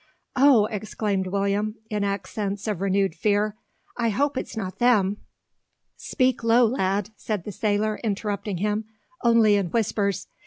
"Oh!" exclaimed William, in accents of renewed fear, "I hope it's not them!" "Speak low, lad!" said the sailor, interrupting him, "only in whispers.